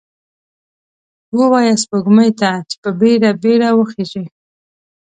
ووایه سپوږمۍ ته، چې په بیړه، بیړه وخیژئ